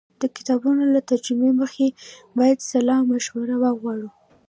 د کتابونو له ترجمې مخکې باید سلا مشوره وغواړو.